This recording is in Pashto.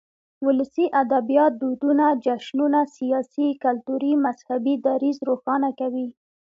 ولسي ادبيات دودنه، جشنونه ،سياسي، کلتوري ،مذهبي ، دريځ روښانه کوي.